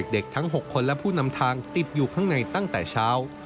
เด็กทั้ง๖คนและผู้นำทางติดอยู่ข้างในตั้งแต่เช้า